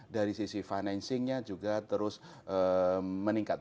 dari sisi financingnya juga terus meningkat